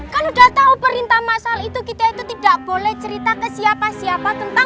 kan udah tahu perintah mas al itu kita itu tidak boleh cerita ke siapa siapa tentang